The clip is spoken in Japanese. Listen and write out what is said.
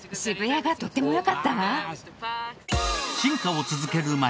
進化を続ける街